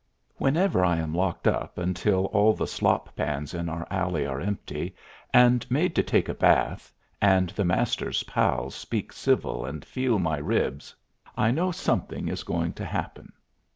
Whenever I am locked up until all the slop pans in our alley are empty, and made to take a bath, and the Master's pals speak civil and feel my ribs, I know something is going to happen.